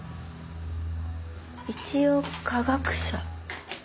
一応科学者。